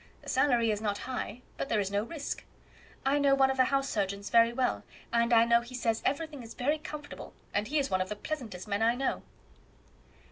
The salary is not high, but there is no risk. I know one of the house surgeons very well, and I know he says everything is very comfortable, and he is one of the pleasantest men I know."